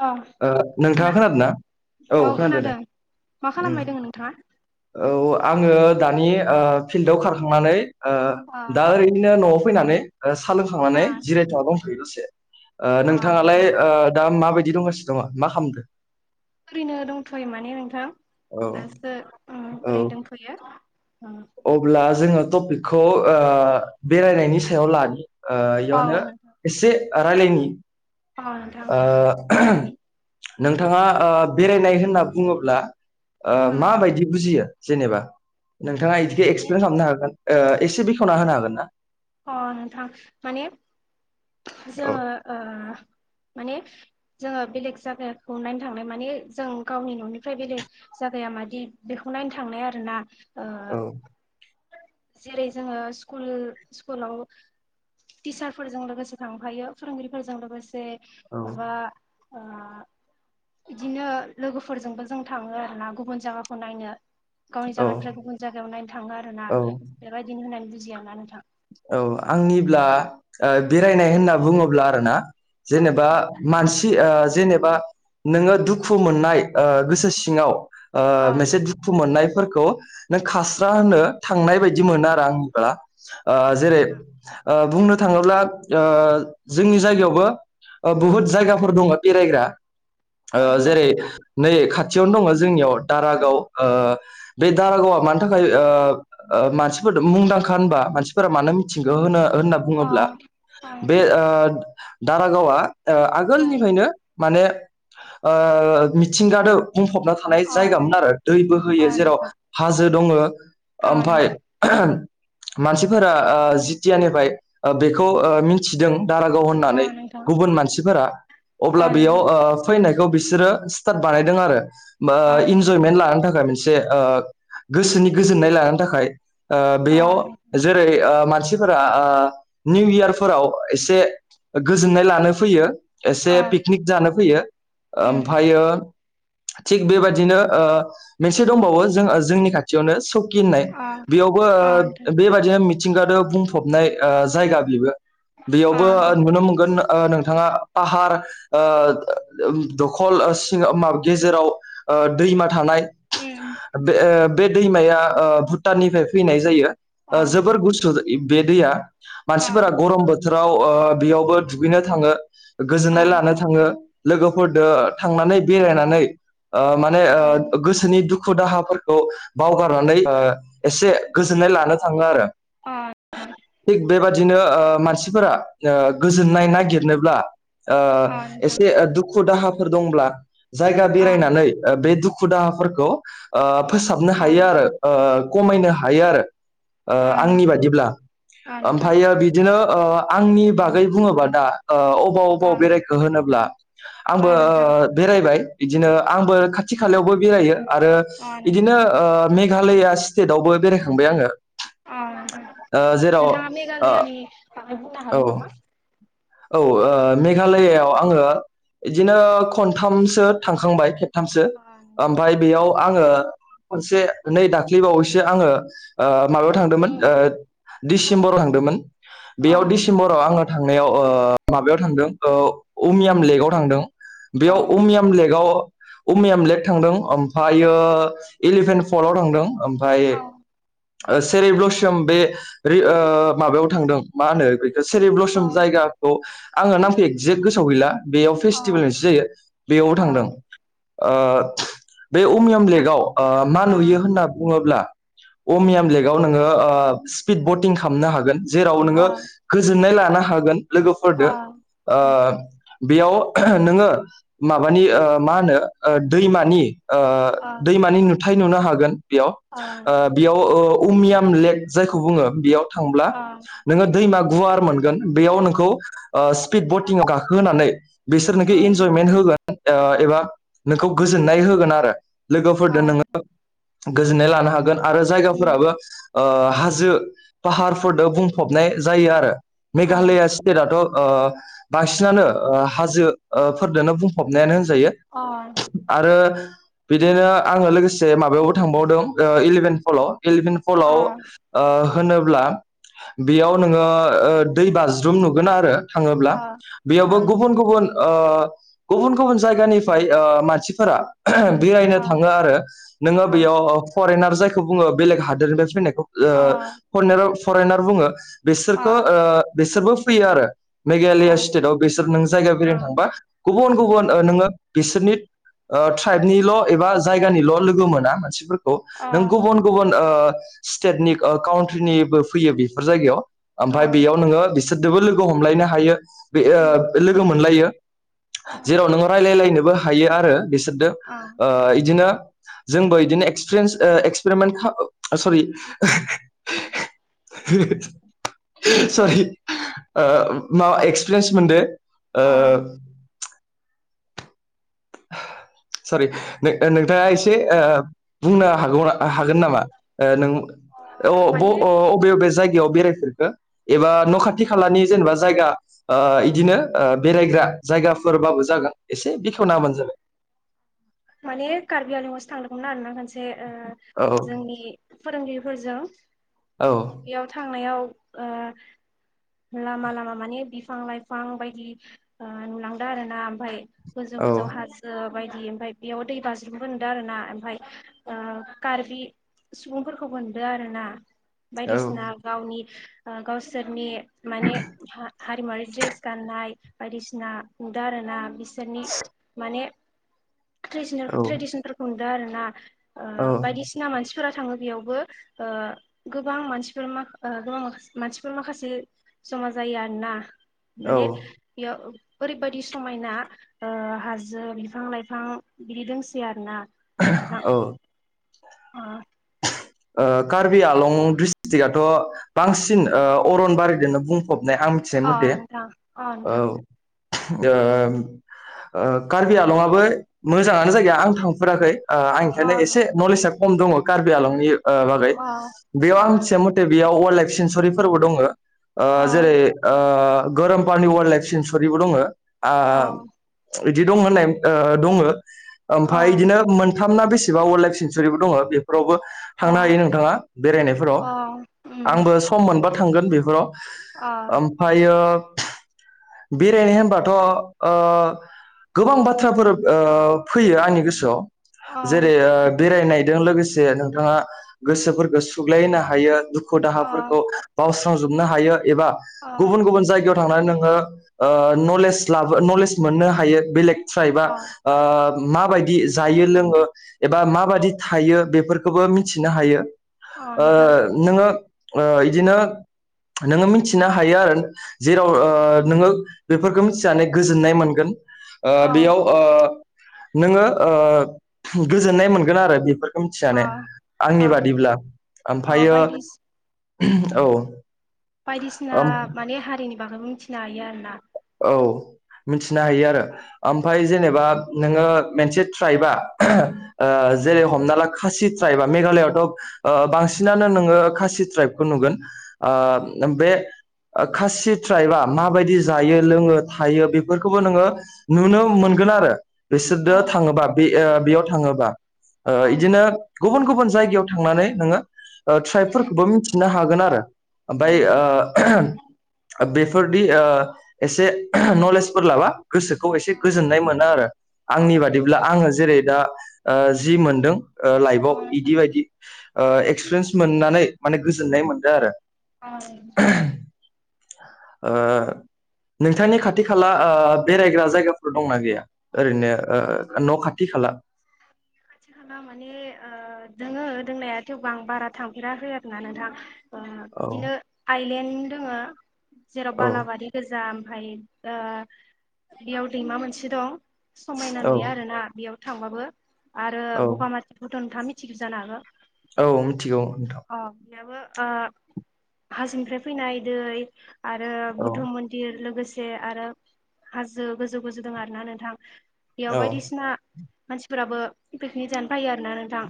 औ ओ नोंथाङा खोनादोंना खोनादों ना औ खोनादों दे मा उम खालामबाय दोङो नोंथाङा? औ आङो दानि ओ फिल्डआव खारखांनानै ओ अ दा ओरैनो न'आव फैनानै सा अ लोंखांनानै जिरायथना दंथैयो दसे। ओ अ नोंथाङालाय नोंथां दा माबायदि दंगासिनो दङ मा खामदो? ओरैनो दंथयो माने नोंथां औ दासो उम औ ओरैनो दंथयो उम अब्ला जोङो टपिकखौ ओ‌ बेरायनायनि सायाव लानि ओ अ इयावनो एसे रायलायनि अ नोंथां ओ नोंथांङा ओ बेरायनाय होनना बुङोब्ला ओ अ माबायदि बुजियो? जेनेबा नोंथांङा बिदिखो माने एक्सप्लेन खालामनो हागोन एसे बेखेवना होनो हागोन ना? अ नोंथां माने औ जोङो ओ माने जोङो बेलेग जायगाखौ नायनो थांनाय माने जों गावनि ननिफ्राय बेलेग जागाया मादि बेखौ नायनो थांनाय आरोना ओ औ जेरै जोङो स्कुल स्कुलाव टिचारफोरजों लोगोसे थांफायो फोरोंगिरिफोरजों लोगोसे औ माबा [unintelligible] बिदिनो लोगोफोरजोंबो जों थांङो आरो ना गुबुन जायगाखौ नायनो गावनि औ जायगानिफ्राय गुबुन जायगायाव नायनो थांङो आरो ना औ बेबायदिनो होननानै बुजिया नोंथां औ आंनिब्ला ओ बेरायनाय होनना बुंङोब्ला आरो ना अ जेनेबा नोंथां मानसि ओ जेनेबा नोङो दुखु मोननाय ओ गोसो सिंङाव ओ अ मोनसे दुखु मोननायफोरखौ नों खास्रा होनो थांनाय बायदि मोनो आरो आंनि बा ओ‌ जेरै ओ बुंनो थाङोब्ला ओ जोंनि जायगायावबो बुहुद जायगाफोर दंङ बेरायग्रा ओ जेरै नै खाथियावनो दंङ जोंनियाव दारागाव ओ बे दारागावा मानि थाखाय ओ मानसिफोर मुंदांखा होनबा मानसि फोर मानो मिथिंगौ होनो होनना बुङोब्ला अ बे नोंथां ओ दारागावा ओ अ आगोलनिफ्रायनो माने ओ मिथिंगादो बुंफबना नोंथां थानाय अ जायगामोन आरो दैबो अ होयो जेराव नोंथां अ हाजो दंङ अ ओमफाय नोंथां मानसि फोरा जिथिया निफ्राय बेखौ ओ मिथिदों दारागाव अ होननानै नोंथां गुबुन मानसिफोरा अब्ला अ बेयाव नोंथां अ नोंथां ओ फैनायखौ बिसोरो स्टार्ट बानायदों आरो बा अ नोंथां इन्जयमेन्ट लानो थाखाय मोनसे ओ गोसोनि गोजोननाय लानो थाखाय ओ बेयाव जेरै मानसिफोरा ओ निउ इयार फोराव एसे गोजोननाय लानो फैयो अ एसे अ पिकनिक जानो फैयो उम ओमफ्रायो थिग बेबाददिनो ओ मोनसे दंबावो जों जोंनि खाथियावनो स कि होननाय अ बेयावबो अ ओ नोंथां बेबादिनो मिथिंगादो बुंफबनाय ओ जायगा बेबो बेयावबो अ नुनो मोनगोन। नोंथांङा पाहार ओ दखल सि मा गेजेराव दैमा थानाय उम बे बे दैमाया ओ भुटाननिफ्राय फैनाय जायो। अ जोबोर गुसु बे दैया अ मानसिफोरा गरम बो थोराव ओ बेयावबो दुगैनो थाङो अ गोजोननाय लानो नोंथां थांङो। लोगोफोरदो थांनानै बेरायनानै ओ माने अ नोंथां गोसोनि दुखु दुखु दाहाफोरखौ बावगारनानै ओ एसे गोजोननाय लानो थांङो आरो। थिग बेबादिनो ओ मानसिफोरा ओ गोजोननाय नागिरनोब्लासे अ ओ नोंथां एसे दुखु दाहा फोर दंब्ला जायगा अ बेरायनानै बे दुखु दाहाफोरखौ ओ फोसाबनो हायो आरो ओ खमायनो हायो आरो। ओ अ नोंथां अ आंनि नोंथां बादिब्ला अ नोंथां ओमफ्रायो बिदिनो ओ आंनि बागै बुंङोबा दा ओ अबाव अबाव बेरायखो होनोब्ला आंबो अ नोंथां बेरायबाय बिदिनो आंबो खाथि खालायावबो बेरायो आरो आ नोंथां बिदिनो ओ मे मेघालया स्टेटआवबो बेरायखांबाय आङो आ नोंथां ओ जेराव ओ होननानै बुंनो औ हागोन नामा? औ ओ मेघालयआव आङो बिदिनो खनथामसो थांखांबाय। सानथामसो अ ओमफफ्राय बेयाव आङो मोनसे नै दाखलै बावैसो आङो ओ माबायाव थांदोंमोन ओ डिसेम्बराव थांदोंमोन अ बेयाव डिसेम्बराव आङो थांनायाव ओम माबायाव थांदों उमियाम लेकआव थांदों अ बेयाव अ उमियाम लेकआव उमियाम लेक थांदों ओमफ्रायो एलिफेन्ट फलटआव थांदों। ओमफ्राय सेरे ब्लसम बे ओम माबायाव थांदों मा होनो बेखौ सेरि अ ब्लसम जायगा खौ आङो नामखौ एकजेक गोसावआव गैला बेयाव अ फेस्टिभेल मोनसे जायो बेयावबो अ थांदों। बे अमियम लेकाव मा अ नुयो होनना बुङोब्ला अमियाम लेकाव नोङो ओ स्पिड बटिं खालामनो हागोन जेराव अ नोङो गोजोननाय लानो हागोन अ लोगोफोरनो ओ बेयाव नोङो ओह माबानि मा होनोओ दैमानि ओ अ दैमानि नुथाय नुनो हागोन। बेयाव अ बेयाव उमियाम लेक जायखौ बुङो बेयाव थांब्ला नोङो दैमा गुवार मोनगोन बेयाव नोंखौ स्पिड बटिंआव गाखोहोनानै बिसोर नोखौ इन्जयमेन्ट होगोन ओ एबा नोंखौ गोजोननाय होगोन आरो लोगोफोरदो नोङो गोजोननाय लानो हागोन आरो जायगाफोराबो ओ हाजो फाहारफोरदो बुंफबनाय जायो आरो मेघालया सि त ओ बांसिनानो ओ हाजो ओ फोरदोंनो बुंफबनायानो होन जायो आरो बिदिनो आङो लोगोसे माबायावबो थांबावदोंओ इलेभेन फलाव एलिभेन्ट फलाव होनोब्ला बेयाव नोङो दै बाज ज्रुम नुगोन आरो अ थाङोब्ला बेयावबो गुबुन गुबुन ओ गुबुन गुबुन जायगानिफ्राय ओ मानसिफोरा ओह अ बेरायनो थाङो आरो नोङो बेयाव फरेनार जायखौ बुङो बेलेग हादोरनिफ्राय फैनाय ओ अ फरेनार फरेनार बुङो अ बिसोरखौ ओ बिसोरबो फैयो आरो। अ मेघालया स्टेटआव बिसोर नों जायगा अ बेरायनो थांबा गुबुन गुबुन ओ नोङो बिसोरनि ट्राइबनिल' एबा जायगानिल' लोगो मोना मानसि फोरा खौ अ नों गुबुन गुबुन ओ स्टेटनि काउन्ट्रिनिबो फैयो बेफोर जायगायाव। ओमफफ्राय अ बेयाव नोङो बिसोरदोबो लोगो हमलायनो हायो बे ओ अ लोगो मोनलायो। जेराव नोङो रायलायलायनोबो हायो आरो बिसोरदो ओ अ इदिनो जोंबो बिदिनो एक्पिरिन्स एक्सपेरमेन्ट खा अ सरि। हो हो हो सरि ओ मा एक्सपिरियेन्स मोनदों ओ आं [inaudible] सरि नों नोंथाङा एसे ओ बुंनो हागौ हागोन नामा ओ नों अ ब माने ओ अबे बबे जायगा जायगायाव बेरायफेरखो एबा न' आं खाथि खालानि जेनेबा जायगा ओ इदिनो ओ बेरायग्रा जायगाफोरबाबो जागोन एसे। औ बेखेवना होबानो जाबाय माने कार्बि आंलंआवसोथांदोंमोन आरोना खोनसे। ओ औ जोंनि फोरोंगिरिफोरजों औ बेयाव थांनायाव आ लामा लामा माने बिफां लाइफां बायदि ओ नुलांदों आरो ना ओमफाय गोजौ औ गोजौ हाजो। बायदि ओमफ्राय बेयाव दै बाज्रुमबो नदों आरोना ओमफ्राय ओ कार्बि सुबुंफोरखौ नुदों आरोना औ बायदिसिना गावनि ओ गावसोरनि माने हा हारिमुवारि द्रेस गाननाय बायदिसिना नुदों आरोना बि सोरनि माने औ ट्रेसिनेलखौ ट्रेदिसनेफोरखौ नुदों आरोना ओ बायदिसिना मानसिफोरा थांङो बियावबो ओ गोबां मानसिफोर माखा गोबां माखासे मानसिफोर माखासे जमा जायो आरोना औ माने बेयाव ओरैबायदि समायना ओ हाजो बिफां लाइफां बिदि दोंसोयो आरो ना। औ। ओ ओ कार्बि आलं ड्रिस्टिकआथ बांसिन ओ अरनबारिजोंनो बुंफब नायहा मिथिनाय अ मथे नोंथां अ औ। नोंथां ओम ओ कार्बि आलंआबो मोजांङानो जायगाया आं थांफेराखै ओ आं एखायनो अ एसे नोंथां नलेसआ खम दंङ कार्बि आलंनि ओ बागै अ बेयाव आं मिथिनाय मथे बेयाव वाइल्ड लाइफ सेेनसुरि फोरबो दंङ ओ जेरै ओ गोरोमपानि वाइरल्ड लाइफ सेनसुरिबो दंङो। आ अ इदि दं होननाय ओ दंङो अ ओमफाय इदिनो मोन थामना बेसेवा वाइल्ड लाइफ सेेनसुरिबो दंङो बे फोरावबो थांनो हायो नोंथांङा बेरायनायफोराव अ उम आंबो सम मोनबा थांगोन बेफोराव। अ ओमफायो [inaudible] बेरायनाय होमबाथ' ओ गोबां बाथ्राफोर ओ फैयो आंनि अ गोसोआव जेरै ओ बेरायनायदों लोगोसे नोंथांङा गोसोफोरखौ सुग्लायनो हायो दुखु अ दाहाफोरखौ बावसोम मावजोबनो हायो एबा अ गुबुन गुबुन जायगायाव थांनानै नोंङो ओ नलेस लाबो नलेस ‍मोननो हायो बेलेग ट्राइब आ अ ओ। माबायदि जायो लोंङो एबा माबायदि थायो बेफोरखोबो मिथिनो हायो। अ ओ नोंथां नोंङो ओ इदिनो नोंङो मिनथिनो हायो आरो। जेराव अ ओ नोंङो बेफोरखो मिथिनानै गोजोननाय मोनगोन ओ अ बियाव ओ। नोंङो ओ गोजोननाय मोनगोन आरो बिफोरखौ। अ मिथिनानै, आंनि अ बादिब्ला अ ओमफायो बायदिस औ। बायदिसिना माने हारिनि बागैबो मिथिनो हायो आरोना। मिनथिनो हायो आरो ओमफाय जेनेबा नोंङो मोनसे ट्राइबा ओ। जेरै हमना ला खासि ट्राइबा मेघालआवथ' ओ बांसिनानो नोंङो खासि ट्राइबखौ नुगोन। आ बे ओ खासि ट्राइबआ माबायदि जायो। लोंङो थायो बेफोरखौबो नोंङो नुनो मोनगोन आरो बेसोरदो थांङोबा बे ओ बेयाव थांङोबा ओ इदिनो गुबुन गुबुन जायगायाव थांनानै नोंङो ओ ट्राइबफोरखोबो मिथिनो हागोन आरो ओमफाय ओ ओबे फोरदि ओ एसे नलेसफोर लाबा। गोसोखौ एसे गोजोननाय मोनो आरो आंनि बादिब्ला आंङो जेरै दा ओ जि मोनदों। ओ लाइफ आव इदि बायदि ओ एक्सप्रेन्स मोननानै माने गोजोननाय मोनदों आरो। आं। ओ। नोंथांनि खाथि खाला ओ बेरायग्रा जायगाफोर दंना गैया ओरैनो ओ न' खाथि खाला। [inaudible] खाथि खाला माने ओ दोंङो दोंनाया थेवबो आं बारा थांफेराखै आरो ना नोंथां। ओ औ बिदिनो आइलेण्ड दोंङो जेराव औ बालाबारि गोजाम। ओमफाय आ बेयाव दैमा मोनसे दं समायना औ नुयो आरोना बेयाव। थांबाबो आरो औ बगामाथि भुटान थ' मिथियो जानो हागो। औ मिथिगौ ओनथां। याबो ओ हाजोनिफ्राय फैनाय दै आरो औ बुद्ध मन्दिर लोगोसे आरो हाजो गोजौ गोजौ दं आरोना नोंथां बेयाव औ बायदिसिना मानसिफोराबो पिकनिक जानो फायो आरोना नोंथां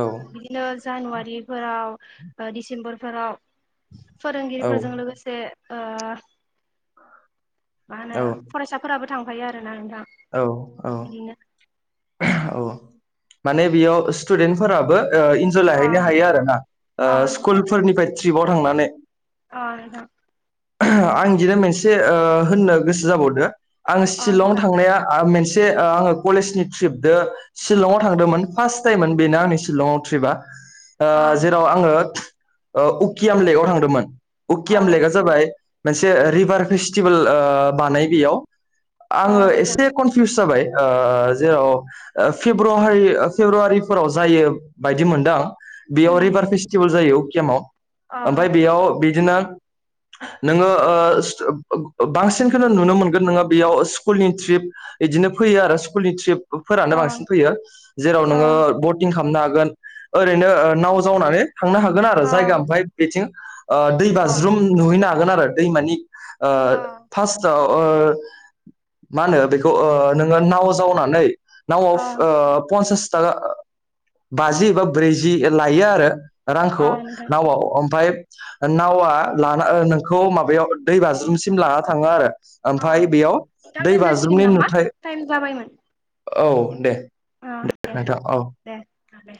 औ बिदिनो जानुवारिफोराव ओ डिसेम्बरफोराव औ फोरोंगिरिफोरजों लोगोसे ओह मा होनो फरायसाफोराबो थांफायो आरोना नोंथां औ इदिनो उ माने बेयाव स्टुदेन्ट फोराबो ओ इन्जय अ लाहैनो हायो आरो ना अ नोंथां स्कुलफोरनिफ्राय ट्रिपाव थांनानै अ नोंथां आं इदिनो मोनसे ओ होननो गोसो जाबावदो आं अ सिलंआव नोंथां थांनाया आ मेनसे से आङो कलेजनि ट्रिपदो शिलंआव थांदोंमोन फार्स टाइममोन बेनो आंनि शिलंआव ट्रिपआ ओ अ जेराव आङो उकियाम लेकाव थांदोंमोन अ उकियाम लेकआ नोंथां जाबाय मोनसे रिभार फेस्टिभेल ओ बानायो बेयाव अ आङो नोंथां एसे कनफिउस जाबाय ओ जेराव ओ फेब्रुहारि फेब्रुवारिफोराव जायो बायदि मोनदों आं बेयाव उम रिभार फेस्टिभेल जायो उकियामाव अ ओमफाय बेयाव बिदिनो नोङो ओ ओप ओप बांसिनखौनो नुनो मोनगोन नोङो बेयाव स्कुलनि ट्रिप इदिनो फैयो आरो स्कुलनि ट्रिप फोरानो अ बांसिन फैयो जेराव नोङो अ बटिं खालामनो हागोन ओरैनो ओ नाव जावनानै थांनो हागोन आरो अ जायगा ओमफ्राय बेथिं ओ दै अ बाज्रुम नुहैनो हागोन आरो दैमानि ओ अ फार्सआव ओ मा होनो बेखौ ओ नोङो नाव जावनानै नावआव अ ओ पनसास [unintelligible] बाजि एबा ब्रैजि लायो आरो अ रांखौ नोंथां नावआव ओमफ्राय नावा लाना ओ नोंखौ माबायाव दै बाज्रुमनि सिम लाना थाङो आरो अ ओमफ्राय बेयाव नोंथां दै दोनजासिगोन बाज्रुमनि नामा नुथाय औ दे अह देह नोंथां औ दे दे